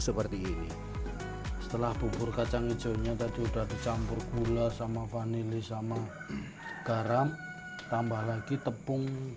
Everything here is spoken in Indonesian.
setelah bubur kacang hijaunya tadi udah dicampur gula sama vanili sama garam tambah lagi tepung